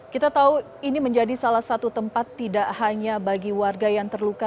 kita tahu ini menjadi salah satu tempat tidak hanya bagi warga yang terluka